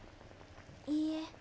いいえ